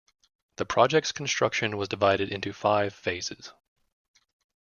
The project's construction was divided into five phases.